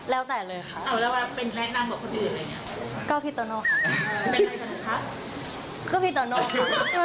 แล้วเราเรียกว่าแฟนได้ไหมคะ